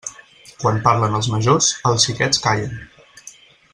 Quan parlen els majors, els xiquets callen.